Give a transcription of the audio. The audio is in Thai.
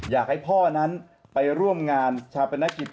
อยากให้พ่อนั้นไปร่วมงานชาปนกิจ